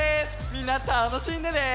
みんなたのしんでね！